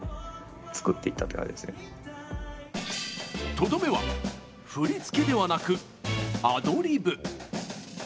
とどめは振付ではなくアドリブ。